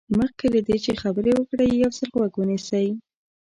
مخکې له دې چې خبرې وکړئ یو ځل غوږ ونیسئ.